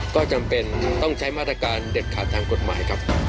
ก็จำเป็นต้องใช้มาตรการเด็ดขาดทางกฎหมายครับ